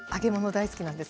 大好きなんです。